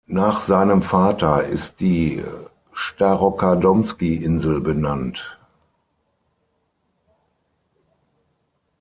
Nach seinem Vater ist die Starokadomski-Insel benannt.